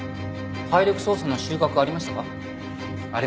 体力捜査の収穫ありましたか？